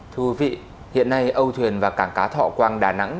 thưa quý vị hiện nay âu thuyền và cảng cá thọ quang đà nẵng